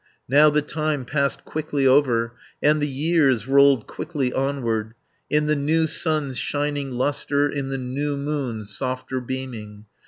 Now the time passed quickly over, And the years rolled quickly onward, In the new sun's shining lustre, In the new moon's softer beaming.